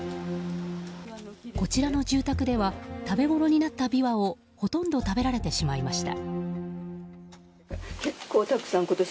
こちらの住宅では食べごろになったビワをほとんど食べられてしまいました。